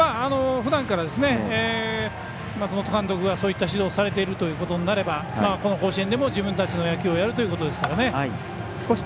ふだんから松本監督がそういった指導をされているということになればこの甲子園でも自分たちの野球をやるということですからね。